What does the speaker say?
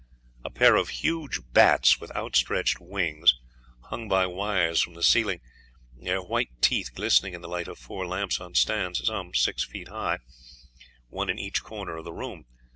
A pair of huge bats with outstretched wings hung by wires from the ceiling, their white teeth glistening in the light of four lamps on stands, some six feet high, one in each corner of the room.